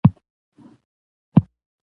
چې مريان هم خرڅېږي